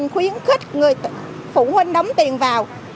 anh vẫn khuyến khích phụ huynh đóng tiền vào